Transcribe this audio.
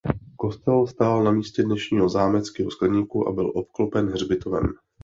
Kostel stál na místě dnešního zámeckého skleníku a byl obklopen hřbitovem.